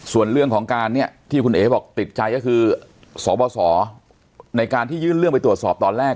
ส่วนเรื่องของการเนี่ยที่คุณเอ๋บอกติดใจก็คือสบสในการที่ยื่นเรื่องไปตรวจสอบตอนแรก